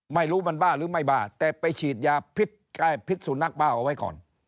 ไม่รู้มันบ้าหรือไม่บ้าแต่ไปฉีดยาแก้พิษสุนัขบ้าเอาไว้ก่อน